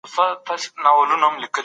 د ځان ساتني دپاره پوهه ضروري ده.